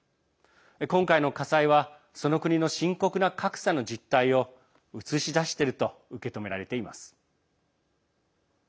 今回の火災はその国の深刻な格差の実態を映し出していると受け止められています。